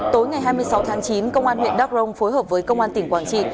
tối ngày hai mươi sáu tháng chín công an huyện đắk rông phối hợp với công an tỉnh quảng trị